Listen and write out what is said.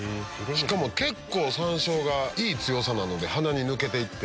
結構山椒がいい強さなので鼻に抜けてって。